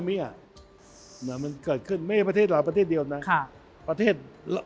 มันเกิดขึ้นไม่ประเทศหลายประเทศเดียวนะค่ะประเทศ